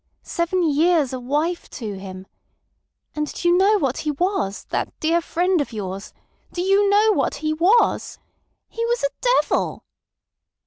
Seven years a wife to him. And do you know what he was, that dear friend of yours? Do you know what he was? He was a devil!"